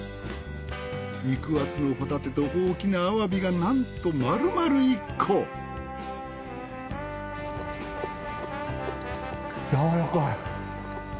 肉厚のホタテと大きなアワビがなんと丸々１個やわらかい。